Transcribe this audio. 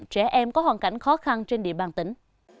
trẻ em có hoàn cảnh khó khăn trên địa bàn tỉnh